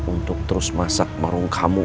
untuk terus masak marung kamu